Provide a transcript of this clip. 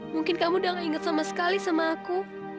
mungkin kamu udah gak inget sama sekali sama aku